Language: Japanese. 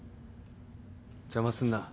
邪魔すんな。